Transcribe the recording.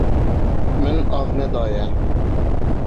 Min av nedaye.